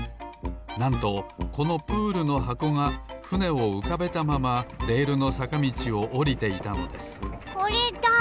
なんとこのプールのはこがふねをうかべたままレールのさかみちをおりていたのですこれだ！